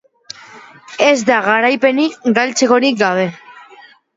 ez da garaipenik galtzekorik gabe